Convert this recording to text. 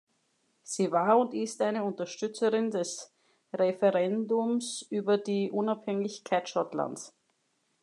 Sie war und ist eine Unterstützerin des Referendums über die Unabhängigkeit Schottlands.